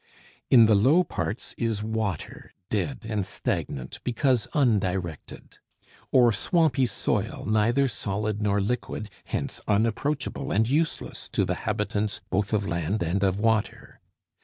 In the low parts is water, dead and stagnant because undirected; or swampy soil neither solid nor liquid, hence unapproachable and useless to the habitants both of land and of water.